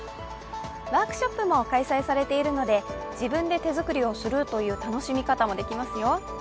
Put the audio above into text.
ワークショップも開催されているので自分で手作りをするという楽しみ方もできますよ。